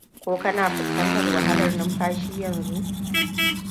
ko kana fuskantar wahalar numfashi yanzu